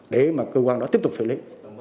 để mà cơ quan đó tiếp tục xử lý